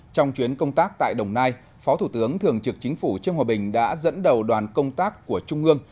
trong chuyến công tác tại đồng nai phó thủ tướng thường trực chính phủ trương hòa bình đã dẫn đầu đoàn công tác của trung ương